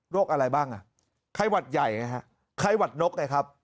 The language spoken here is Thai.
อะไรบ้างอ่ะไข้หวัดใหญ่ไงฮะไข้หวัดนกไงครับ